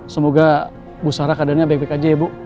semoga buzara keadaannya baik baik aja ya bu